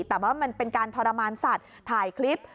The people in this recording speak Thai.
แต่ว่ามันเป็นการทรมานสัตว์ถ่ายคลิป